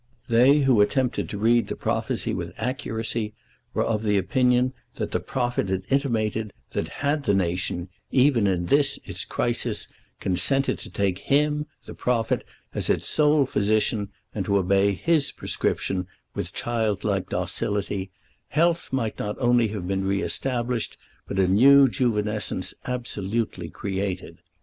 They who attempted to read the prophecy with accuracy were of opinion that the prophet had intimated that had the nation, even in this its crisis, consented to take him, the prophet, as its sole physician and to obey his prescription with childlike docility, health might not only have been re established, but a new juvenescence absolutely created.